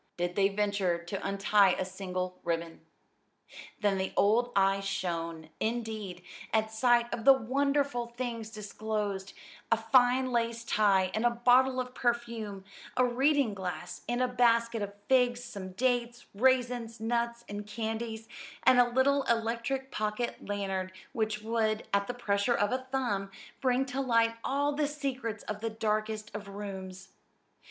did they venture to untie a single ribbon. Then the old eyes shone, indeed, at sight of the wonderful things disclosed; a fine lace tie and a bottle of perfume; a reading glass and a basket of figs; some dates, raisins, nuts, and candies, and a little electric pocket lantern which would, at the pressure of a thumb, bring to light all the secrets of the darkest of rooms.